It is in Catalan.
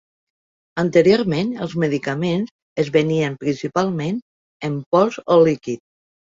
Anteriorment, els medicaments es venien principalment en pols o líquid.